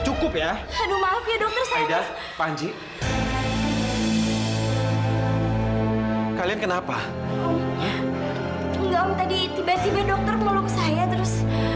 cukup ya aduh maaf ya dokter aida panji kalian kenapa om tadi tiba tiba dokter melukis saya terus